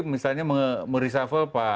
misalnya meresafel pak